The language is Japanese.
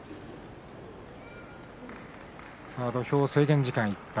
土俵は制限時間がいっぱい。